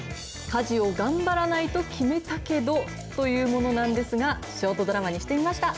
家事を頑張らないと決めたけどというものなんですが、ショートドラマにしてみました。